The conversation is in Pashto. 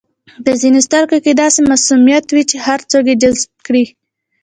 په ځینو سترګو کې داسې معصومیت وي چې هر څوک یې جذب کړي.